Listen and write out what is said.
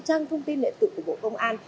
trang thông tin lệ tự của bộ công an